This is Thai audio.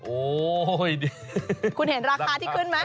โอ๊ยคุณเห็นราคาที่ขึ้นไหม